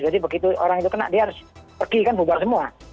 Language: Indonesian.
jadi begitu orang itu kena dia harus pergi kan bubar semua